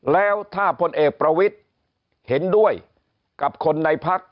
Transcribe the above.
แล้วถ้าพลเอกประวิทธิ์เห็นด้วยกับคนในพัก